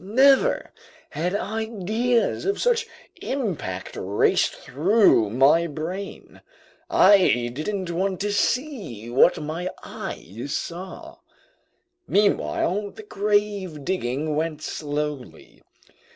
Never had ideas of such impact raced through my brain! I didn't want to see what my eyes saw! Meanwhile the grave digging went slowly.